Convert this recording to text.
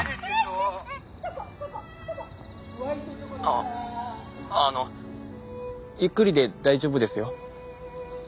あっあのゆっくりで大丈夫ですよ？